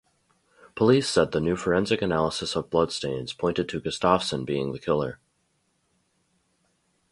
Police said the new forensic analysis of bloodstains pointed to Gustafsson being the killer.